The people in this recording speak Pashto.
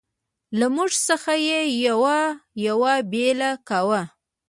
له موږ څخه یې یو یو بېل کاوه.